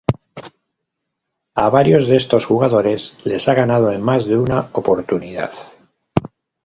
A varios de estos jugadores les ha ganado en más de una oportunidad.